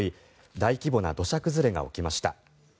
大規模な土砂崩れが起きました。